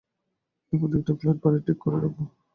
এর মধ্যে একটা ফ্ল্যাট-বাড়ি ঠিক করে রাখব।